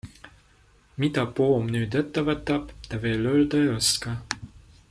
Mida Poom nüüd ette võtab, ta veel öelda ei oska.